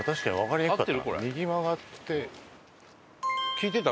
聞いてた？